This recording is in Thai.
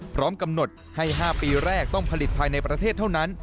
พร้อมกำหนดให้๕ปีแรกต้องผลิตภายในประเทศเท่านั้น